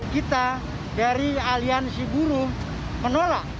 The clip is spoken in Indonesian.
kita dari aliansi buruh menolak